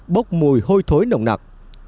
bốc mùi hôi thối nồng nặc